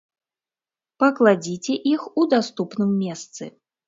Пакладзіце іх у даступным месцы.